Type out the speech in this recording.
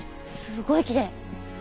すごいきれい。